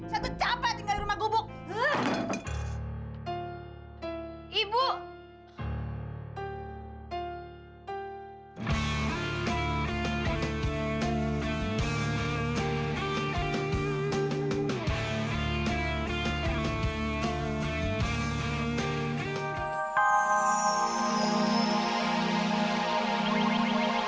saya tuh capek tinggal di rumah gubuk